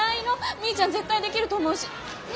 みーちゃん絶対できると思うし。ね？